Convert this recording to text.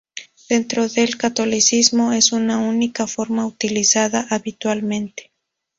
Dentro del catolicismo es la única forma utilizada habitualmente.